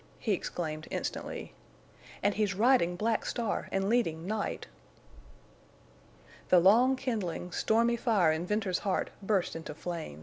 he exclaimed, instantly. "And he's riding Black Star and leading Night!" The long kindling, stormy fire in Venters's heart burst into flame.